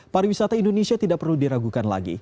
para wisata indonesia tidak perlu diragukan lagi